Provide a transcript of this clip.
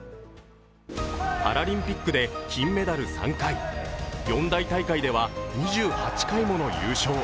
パラリンピックで金メダル３回四大大会では２８回もの優勝。